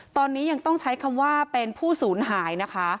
ตอนนี้ยังต้องใช้คำว่าเป็นผู้สูญหายนะคะ